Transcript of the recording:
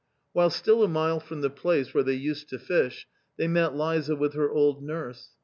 While still a mile from the place where they used to fish, they met Liza with her old nurse.